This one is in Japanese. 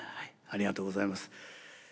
ありがとうございます。